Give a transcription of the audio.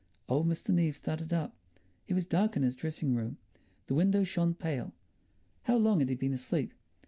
Old Mr. Neave started up. It was dark in his dressing room; the window shone pale. How long had he been asleep?